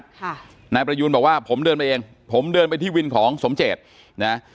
ค่ะนายประยูนบอกว่าผมเดินไปเองผมเดินไปที่วินของสมเจตนะ